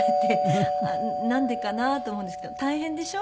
なんでかなと思うんですけど「大変でしょう？」